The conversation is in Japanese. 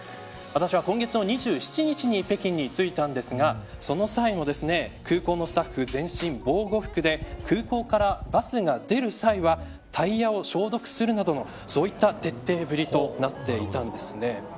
私は今月２７日に北京に着いたんですがその際も空港のスタッフ全身防護服で空港からバスが出る際はタイヤを消毒するなどそういった徹底ぶりとなっていました。